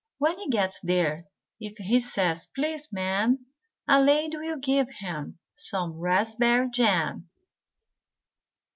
When he gets there if he says "Please, Ma'am," A lady will give him some raspberry jam.